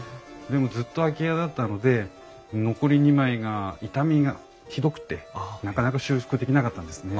でもずっと空き家だったので残り２枚が傷みがひどくってなかなか修復できなかったんですね。